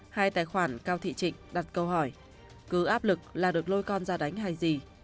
hai tài khoản cao thị trịnh đặt câu hỏi cứ áp lực là được lôi con ra đánh hay gì